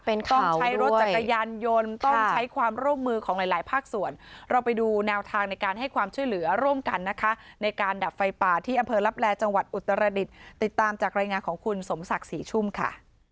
เป็นต้องใช้รถจักรยานยนต์ต้องใช้ความร่วมมือของหลายหลายภาคส่วนเราไปดูแนวทางในการให้ความช่วยเหลือร่วมกันนะคะในการดับไฟป่าที่อำเภอลับแลจังหวัดอุตรดิษฐ์ติดตามจากรายงานของคุณสมศักดิ์ศรีชุ่มค่ะ